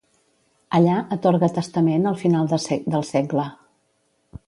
Allà atorga testament al final del segle.